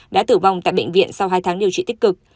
đã tử vong tại bệnh viện sau hai tháng điều trị tích cực